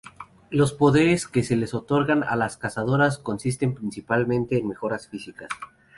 Los poderes que se les otorgan a las Cazadoras consisten principalmente en mejoras físicas.